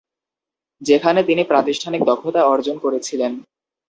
যেখানে তিনি প্রাতিষ্ঠানিক দক্ষতা অর্জন করেছিলেন।